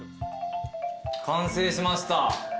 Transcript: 完成しました。